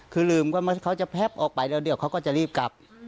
คือลืมว่าเขาจะแพ็บออกไปแล้วเดี๋ยวเขาก็จะรีบกลับ